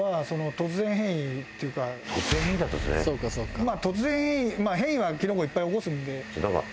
突然変異まあ変異はキノコいっぱい起こすんで。